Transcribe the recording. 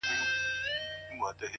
په دې پردي وطن كي ـ